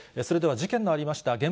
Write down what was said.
それでは事件のありました